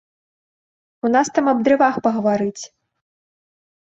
У нас там аб дрывах пагаварыць.